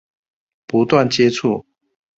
不斷接觸